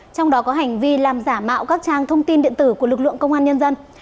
trong đó có hành vi làm giả mạo các trang thông tin điện tử của lực lượng công an nhân dân